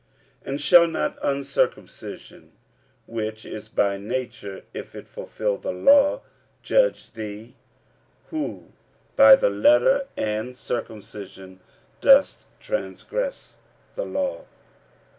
45:002:027 And shall not uncircumcision which is by nature, if it fulfil the law, judge thee, who by the letter and circumcision dost transgress the law?